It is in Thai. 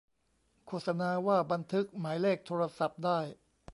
โฆษณาว่า บันทึกหมายเลขโทรศัพท์ได้